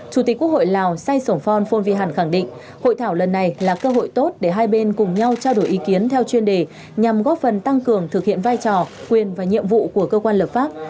chủ tịch quốc hội lào say sổng phong vy hẳn khẳng định hội thảo lần này là cơ hội tốt để hai bên cùng nhau trao đổi ý kiến theo chuyên đề nhằm góp phần tăng cường thực hiện vai trò quyền và nhiệm vụ của cơ quan lập pháp